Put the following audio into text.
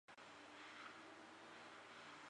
主要族群语言为闽南语和现代汉语。